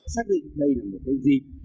xác định đây là một cái dịp